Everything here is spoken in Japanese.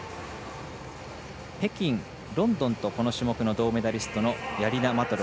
北京、ロンドンとこの種目の銅メダリストのヤリナ・マトロ。